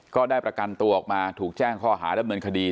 ก็ได้ประกันตัวออกมาถูกแจ้งข้อหาดำเนินคดี